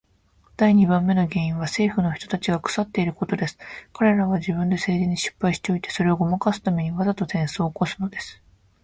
第二番目の原因は政府の人たちが腐っていることです。彼等は自分で政治に失敗しておいて、それをごまかすために、わざと戦争を起すのです。